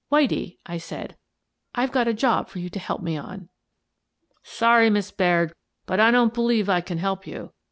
" Whitie," I said, " I've got a job for you to help me on." " Sorry, Miss Baird, but I don't believe I can help you.